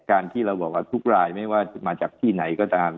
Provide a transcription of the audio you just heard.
การที่เราบอกว่าทุกรายไม่ว่าจะมาจากที่ไหนก็ตาม